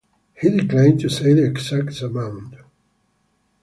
He declined to say the exact amount.